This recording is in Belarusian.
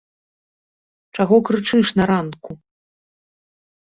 Чаго крычыш на ранку?